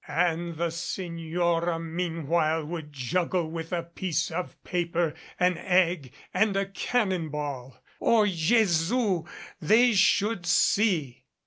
And the Signora meanwhile would juggle with a piece of paper, an egg, and a cannon ball. Jesu! They should see!